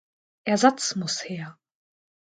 Ersatz muss her.